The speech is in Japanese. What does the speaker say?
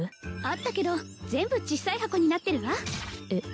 あったけど全部ちっさい箱になってるわえっ